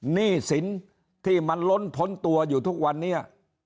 หนี้สินที่มันล้นพ้นตัวอยู่ทุกวันนี้